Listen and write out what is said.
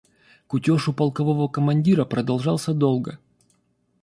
Кутеж у полкового командира продолжался долго.